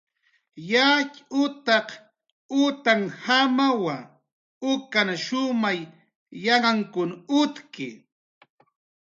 Yatxutanq utnjamawa, ukan shumay yanhan utki